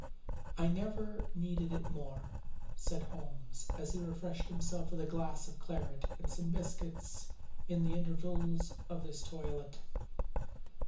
"I never needed it more," said Holmes as he refreshed himself with a glass of claret and some biscuits in the intervals of his toilet.